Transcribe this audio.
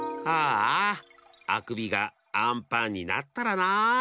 ああくびがあんパンになったらなあ。